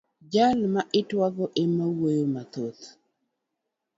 Jal ma itwak go ema wuoyo mathoth.